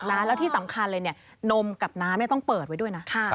และที่สำคัญเลยเนี่ยนมกับน้ำนี่ต้องเปิดไว้ด้วยนะ